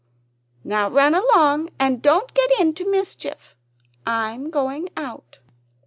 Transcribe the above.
"Now run along, and don't get into mischief. I am going out."